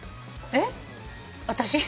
えっ！？